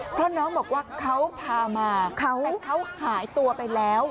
เพราะน้องบอกว่าเขาพามาแต่เขาหายตัวไปแล้ว